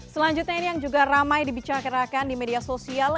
selanjutnya ini yang juga ramai dibicarakan di media sosial